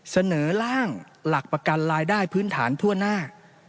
เสนอร่างหลักประกันรายได้พื้นฐานทั่วหน้า